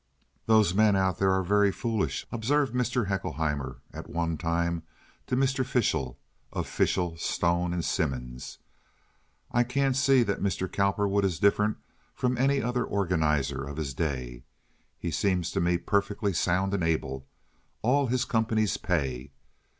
"Those men out there are very foolish," observed Mr. Haeckelheimer at one time to Mr. Fishel, of Fishel, Stone & Symons. "I can't see that Mr. Cowperwood is different from any other organizer of his day. He seems to me perfectly sound and able. All his companies pay.